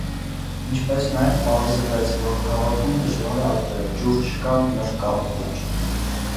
Ինչպես նաև պարզվեց, որ քաղաքում դժվար է ապրել. ջուր չկա, մրրկահողմեր։